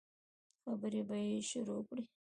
خبرې به يې شروع کړې.